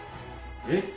えっ！